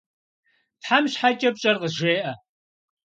Тхьэм щхьэкӏэ пщӏэр къызжеӏэ!